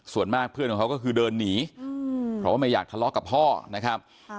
ส่วนมากเพื่อนของเขาก็คือเดินหนีเพราะว่าไม่อยากทะเลาะกับพ่อนะครับ